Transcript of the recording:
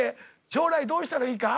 将来どうしたらいいか？